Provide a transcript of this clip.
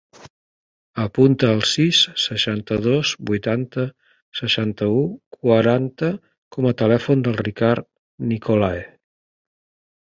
Apunta el sis, seixanta-dos, vuitanta, seixanta-u, quaranta com a telèfon del Ricard Nicolae.